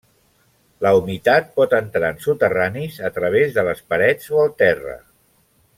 La humitat pot entrar en soterranis a través de les parets o el terra.